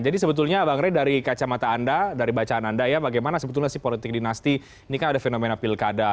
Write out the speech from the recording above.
jadi sebetulnya bang ray dari kacamata anda dari bacaan anda ya bagaimana sebetulnya sih politik dinasti ini kan ada fenomena pilkada